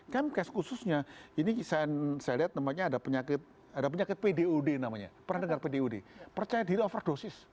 kemkes khususnya ini saya lihat namanya ada penyakit ada penyakit pdud namanya pernah dengar pdud percaya diri overdosis